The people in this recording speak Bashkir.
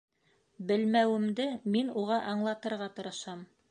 Белмәүемде мин уға аңлатырға тырышам.